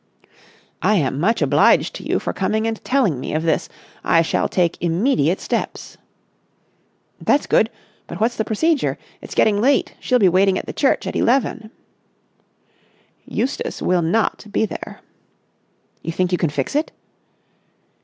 "I am much obliged to you for coming and telling me of this. I shall take immediate steps." "That's good. But what's the procedure? It's getting late. She'll be waiting at the church at eleven." "Eustace will not be there." "You think you can fix it?"